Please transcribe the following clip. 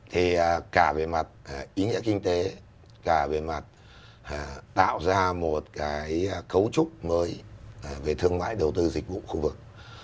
thì cả về mặt ý nghĩa kinh tế cả về mặt tạo ra một cái cấu trúc mới về thương mại đầu tư dịch vụ khu vực